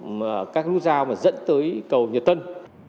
các cái nút dao mà dẫn tới cầu nhật tân